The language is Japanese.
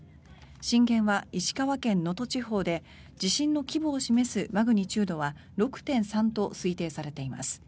震源は石川県能登地方で地震の規模を示すマグニチュードは６．３と推定されています。